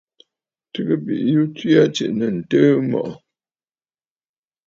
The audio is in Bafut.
Tɨgə bìꞌiyu tswe aa tsiꞌì nɨ̂ ǹtɨɨ mɔꞌɔ̀?